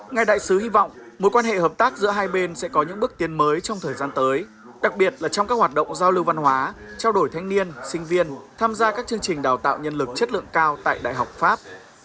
ngài đại sứ hy vọng mối quan hệ hợp tác giữa hai bên sẽ có những bước tiến mới trong thời gian tới đặc biệt là trong các hoạt động giao lưu văn hóa trao đổi thanh niên sinh viên tham gia các chương trình đào tạo nhân lực chất lượng cao tại đại học pháp